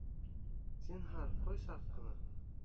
Зинһар, ҡой саҡ ҡына...